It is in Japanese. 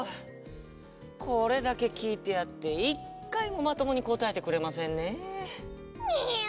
これだけきいてやって１かいもまともにこたえてくれませんねえ！にゅ。